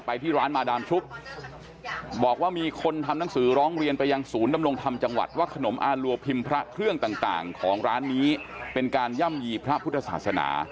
ที่ร้านมาดามชุบบอกว่ามีคนทำหนังสือร้องเรียนไปยังศูนย์ดำรงธรรมจังหวัดว่าขนมอารัวพิมพ์พระเครื่องต่างของร้านนี้เป็นการย่ำยีพระพุทธศาสนา